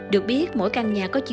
được biết mỗi ngày là một ngày sức khỏe